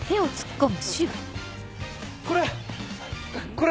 これ！